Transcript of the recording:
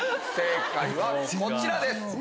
正解はこちらです。